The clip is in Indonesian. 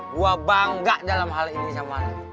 gue bangga dalam hal ini sama lo